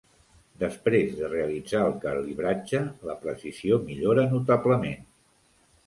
Després de realitzar el calibratge, la precisió millora notablement.